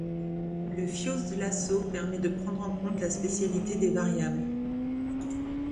Le Fused-Lasso permet de prendre en compte la spatialité des variables.